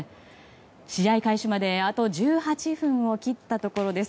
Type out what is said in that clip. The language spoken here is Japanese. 試合開始まであと１８分を切ったところです。